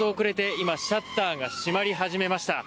今、シャッターが閉まり始めました。